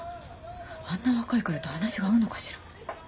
あんな若い彼と話が合うのかしら。